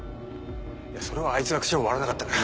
いやそれはあいつが口を割らなかったから。